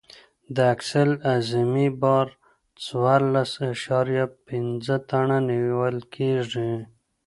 د اکسل اعظمي بار څوارلس اعشاریه پنځه ټنه نیول کیږي